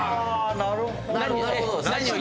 なるほど。